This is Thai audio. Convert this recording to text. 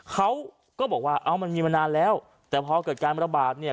เขาก็บอกว่าเอ้ามันมีมานานแล้วแต่พอเกิดการระบาดเนี่ย